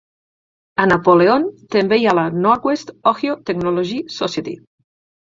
A Napoleon també hi ha la Northwest Ohio Technology Society.